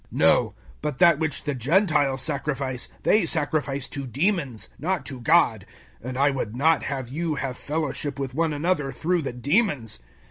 010:020 No, but that which the Gentiles sacrifice, they sacrifice to demons, not to God; and I would not have you have fellowship with one another through the demons.